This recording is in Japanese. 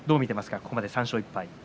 ここまで３勝１敗。